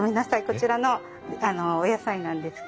こちらのお野菜なんですけど。